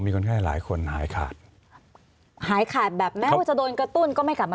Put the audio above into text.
รักษาหายขาดไหมคุณหมอค่ะ